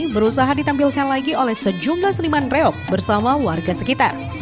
berusaha ditampilkan lagi oleh sejumlah seniman reok bersama warga sekitar